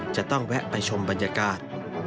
จะต้องแวะไปชมบรรยากาศ